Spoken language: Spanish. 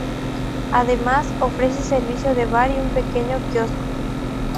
Además, ofrece servicio de bar y un pequeño quiosco.